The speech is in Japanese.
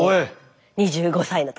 ２５歳の時。